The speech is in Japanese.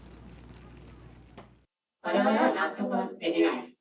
われわれは納得できない。